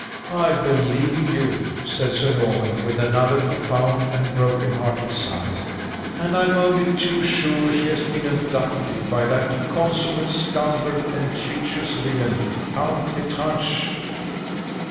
"I believe you," said Sir Norman, with another profound and broken hearted sigh, "and I'm only too sure she has been abducted by that consummate scoundrel and treacherous villain, Count L'Estrange."